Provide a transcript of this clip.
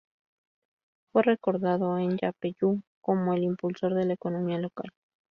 Fue recordado en Yapeyú como el impulsor de la economía local.